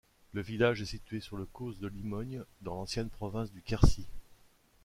Le village est situé sur le Causse de Limogne dans l'ancienne province du Quercy.